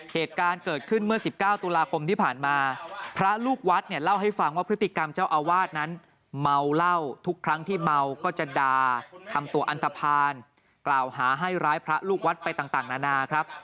เหตุการณ์เกิดขึ้นเมื่อ๑๙ตุลาคมที่ผ่านมาพระลูกวัดเนี่ยเล่าให้ฟังว่าพฤติกรรมเจ้าอาวาสนั้นเมาเหล้าทุกครั้งที่เมาก็จะด่าทำตัวอันตภัณฑ์กล่าวหาให้ร้ายพระลูกวัดไปต่างนานาครับ